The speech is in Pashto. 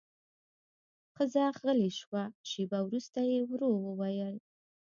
ښځه غلې شوه، شېبه وروسته يې ورو وويل: